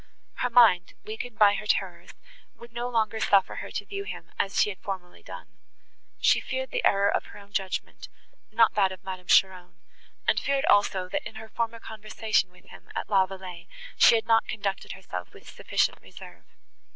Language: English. Her mind, weakened by her terrors, would no longer suffer her to view him as she had formerly done; she feared the error of her own judgment, not that of Madame Cheron, and feared also, that, in her former conversation with him, at La Vallée, she had not conducted herself with sufficient reserve.